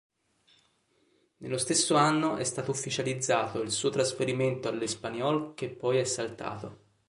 Nello stesso anno è stato ufficializzato il suo trasferimento all'Espanyol che poi è saltato.